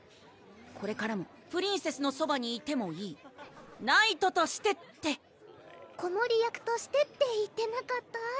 「これからもプリンセスのそばにいてもいいナイトとして」って「子守役として」って言ってなかった？